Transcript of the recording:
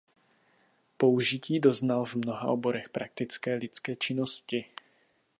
Použití doznal v mnoha oborech praktické lidské činnosti.